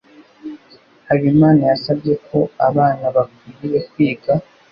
Habimana yasabye ko abana wakwiriye kwiga